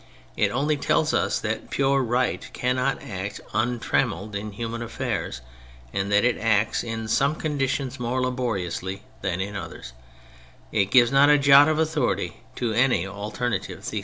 It only tells us that pure right cannot act untrammelled in human affairs and that it acts in some conditions more laboriously than in others : it gives not a jot of authority to any alter native thesis.